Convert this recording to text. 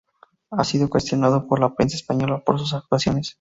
Ha sido cuestionado por la prensa española por sus actuaciones.